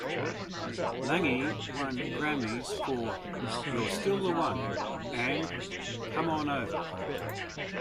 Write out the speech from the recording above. Lange won Grammys for "You're Still the One" and "Come On Over".